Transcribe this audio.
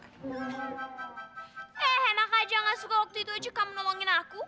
eh enak aja gak suka waktu itu aja kamu nolongin aku